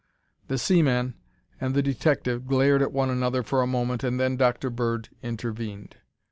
The seaman and the detective glared at one another for a moment and then Dr. Bird intervened.